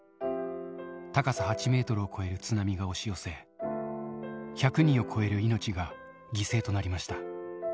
高さ８メートルを超える津波が押し寄せ、１００人を超える命が犠牲となりました。